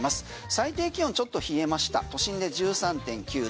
最低気温ちょっと冷えました都心で１３．９度。